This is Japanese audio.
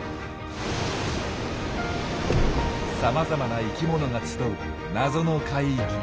さまざまな生きものが集う「謎の海域」。